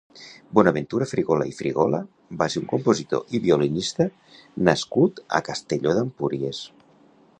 Bonaventura Frigola i Frigola va ser un compositor i violinista nascut a Castelló d'Empúries.